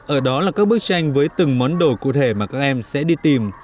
ở đó là các bức tranh với từng món đồ cụ thể mà các em sẽ đi tìm